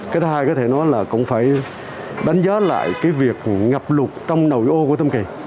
cái thứ hai có thể nói là cũng phải đánh giá lại cái việc ngập lụt trong đầu ô của tam kỳ